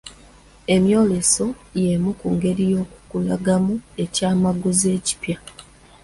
Emyoleso y'emu ku ngeri y'okulangamu ekyamaguzi ekipya.